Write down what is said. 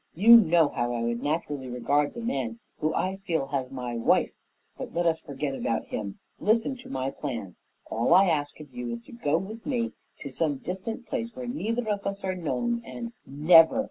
You know how I would naturally regard the man who I feel has my wife; but let us forget about him. Listen to my plan. All I ask of you is to go with me to some distant place where neither of us are known, and " "Never!"